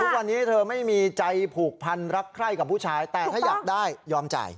วันนี้เธอไม่มีใจผูกพันรักใคร่กับผู้ชายแต่ถ้าอยากได้ยอมจ่าย